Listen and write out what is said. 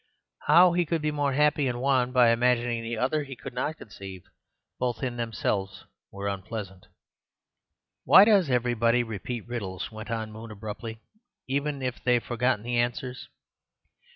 How he could be more happy in one by imagining the other he could not conceive. Both (in themselves) were unpleasant. "Why does everybody repeat riddles," went on Moon abruptly, "even if they've forgotten the answers?